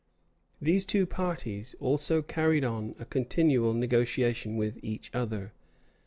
[] These two parties also carried on a continual negotiation with each other.